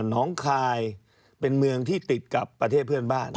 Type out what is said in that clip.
น้องคายเป็นเมืองที่ติดกับประเทศเพื่อนบ้าน